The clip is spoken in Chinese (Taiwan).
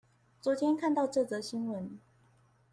昨天看到這則新聞